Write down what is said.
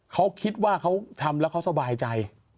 เขาคิดว่าเขาทำแล้วเขาสบายใจ